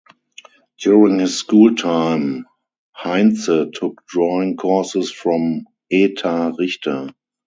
During his school time Heinze took drawing courses from Etha Richter.